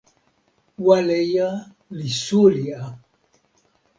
waleja li suli a!